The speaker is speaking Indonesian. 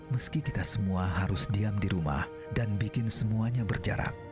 meski kita semua harus diam di rumah dan bikin semuanya berjarak